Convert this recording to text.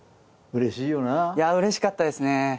うれしかったですね。